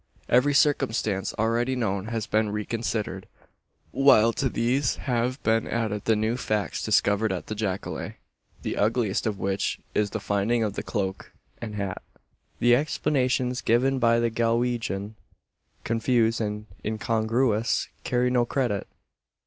Every circumstance already known has been reconsidered; while to these have been added the new facts discovered at the jacale the ugliest of which is the finding of the cloak and hat. The explanations given by the Galwegian, confused and incongruous, carry no credit.